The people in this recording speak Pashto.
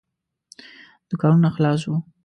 دوکانونه خلاص وو.